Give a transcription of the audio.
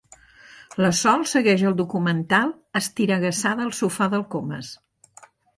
La Sol segueix el documental estiregassada al sofà del Comas.